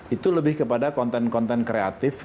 itu lebih kepada konten konten kreatif